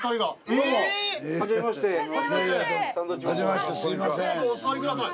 どうぞお座りください。